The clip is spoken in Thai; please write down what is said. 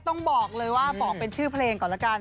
ต้องบอกเลยว่าบอกเป็นชื่อเพลงก่อนละกัน